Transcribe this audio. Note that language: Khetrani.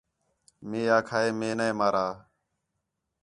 مئے آکھا ہِے مئے نے مارا